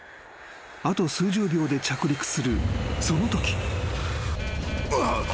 あと数十秒で着陸するそのとき］